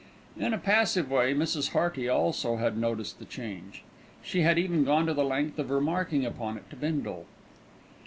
In a passive way Mrs. Hearty also had noticed the change. She had even gone to the length of remarking upon it to Bindle.